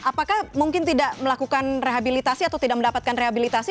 apakah mungkin tidak melakukan rehabilitasi atau tidak mendapatkan rehabilitasi